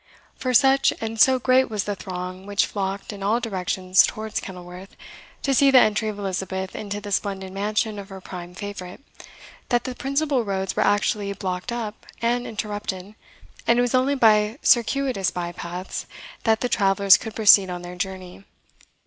For such and so great was the throng which flocked in all directions towards Kenilworth, to see the entry of Elizabeth into that splendid mansion of her prime favourite, that the principal roads were actually blocked up and interrupted, and it was only by circuitous by paths that the travellers could proceed on their journey.